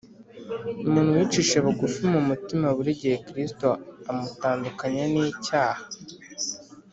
umuntu wicishije bugufi mu mutima buri gihe kristo amutandukanya n’icyaha